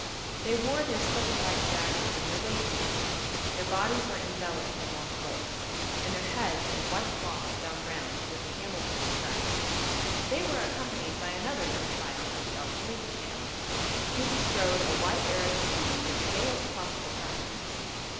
They wore their sickle like daggers in their waistbands; their bodies were enveloped in long cloaks, and their heads in white cloths bound round with the camel hair straps; they were accompanied by another young scion of the El Khalifa family, who bestrode a white Arab steed with the gayest possible trappings.